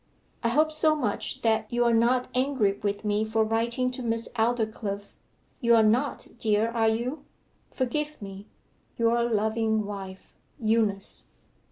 'I hope so much that you are not angry with me for writing to Miss Aldclyffe. You are not, dear, are you? Forgive me. Your loving wife, EUNICE.